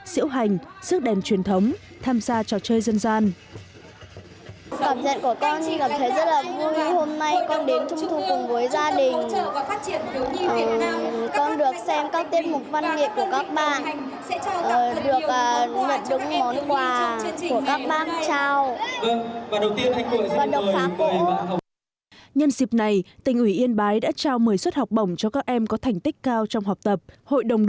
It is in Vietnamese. xỉu hành xước đèn truyền thống tham gia trò chơi dân gian